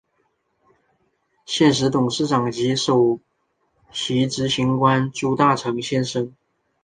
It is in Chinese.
现时董事长及首席执行官朱大成先生。